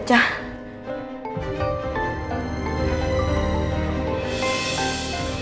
gak tau apa apa